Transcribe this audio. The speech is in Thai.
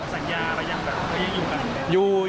สัญญาอะไรยังยังอยู่กันไหมครับ